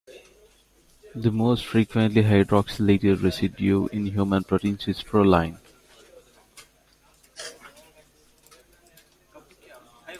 The most frequently hydroxylated residue in human proteins is proline.